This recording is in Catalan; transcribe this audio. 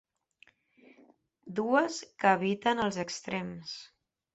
Dues que eviten els extrems.